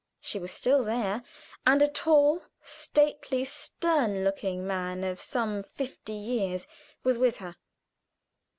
She was still there, and a tall, stately, stern looking man of some fifty years was with her.